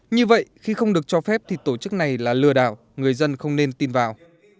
như vậy khi không được cho phép thì tổ chức này là lừa đảo người dân không nên tin vào